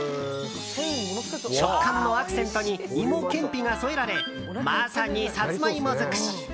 食感のアクセントに芋けんぴが添えられまさに、さつま芋尽くし！